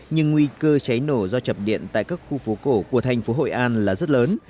nhưng nguy cơ cháy nổ do chập điện tại các khu phố cổ của thành phố hội an là rất lớn